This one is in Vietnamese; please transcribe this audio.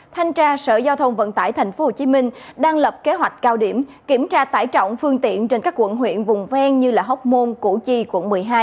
thanh tra sở giao thông vận tải tp hcm đang lập kế hoạch cao điểm kiểm tra tải trọng phương tiện trên các quận huyện vùng ven như hóc môn củ chi quận một mươi hai